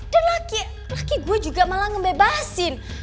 dan laki gue juga malah ngebebasin